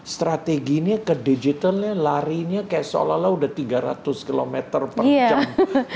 strateginya ke digitalnya larinya kayak seolah olah udah tiga ratus km per jam